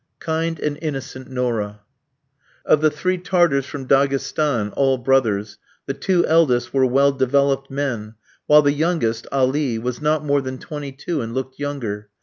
Kind and innocent Nourra! Of the three Tartars from Daghestan, all brothers, the two eldest were well developed men, while the youngest, Ali, was not more than twenty two, and looked younger.